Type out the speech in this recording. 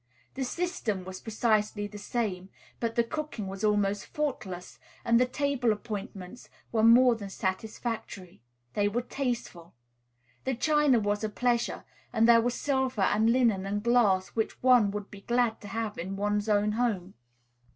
The system was precisely the same; but the cooking was almost faultless, and the table appointments were more than satisfactory, they were tasteful. The china was a pleasure, and there were silver and linen and glass which one would be glad to have in one's own home.